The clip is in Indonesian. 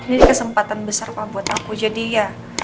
ini kesempatan besar pak buat aku jadi ya